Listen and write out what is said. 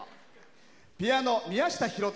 ピアノ、宮下博次。